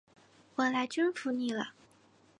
我来征服你了！